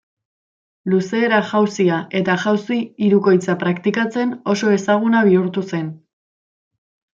Luzera jauzia eta jauzi hirukoitza praktikatzen oso ezaguna bihurtu zen.